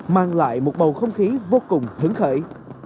mang lại một bầu không khí vô cùng hứng khởi